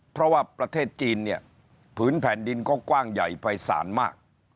เพราะว่าประเทศจีนเนี่ยผืนแผ่นดินก็กว้างใหญ่ภายศาลมาก